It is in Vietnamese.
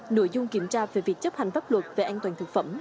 nội dung kiểm tra về việc chấp hành pháp luật về an toàn thực phẩm